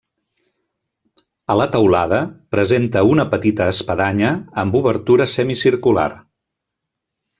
A la teulada presenta una petita espadanya amb obertura semicircular.